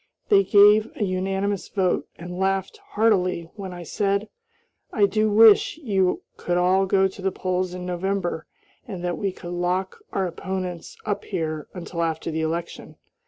They gave a unanimous vote, and laughed heartily when I said, "I do wish you could all go to the polls in November and that we could lock our opponents up here until after the election."